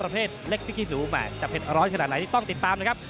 เห็นเล็กพิกิษหนูมาจับเห็นร้อยขนาดไหนต้องติดตามนะครับ